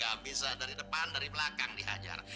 ya bisa dari depan dari belakang dihajar